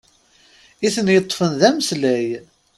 I ten-yeṭṭfen d ameslay!